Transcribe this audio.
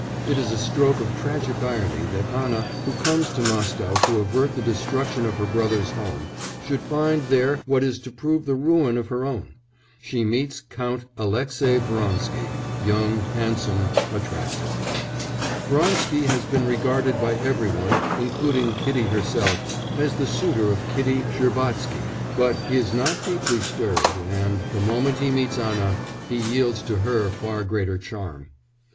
It is a stroke of tragic irony that Anna, who comes to Moscow to avert the destruction of her brother's home, should find there what is to prove the ruin of her own. She meets Count Aleksei Vronsky young, handsome, attractive. Vronsky has been regarded by everyone, including Kitty herself, as the suitor of Kitty Shcherbatsky, but he is not deeply stirred, and, the moment he meets Anna, he yields to her far greater charm.